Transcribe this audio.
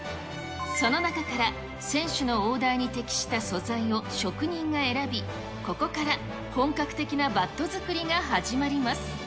その中から選手のオーダーに適した素材を職人が選び、ここから本格的なバット作りが始まります。